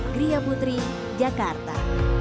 gria putri jakarta